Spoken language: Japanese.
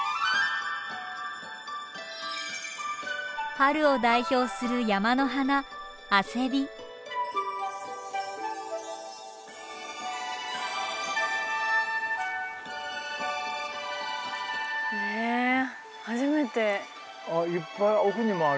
春を代表する山の花へえ初めて。